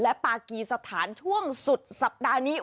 และปากีสถานช่วงสุดสัปดาห์นี้